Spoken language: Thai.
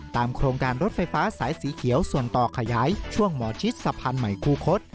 โครงการรถไฟฟ้าสายสีเขียวส่วนต่อขยายช่วงหมอชิดสะพานใหม่คูคศ